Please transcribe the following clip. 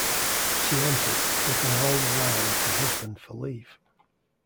She answered, looking all the while at her husband for leave.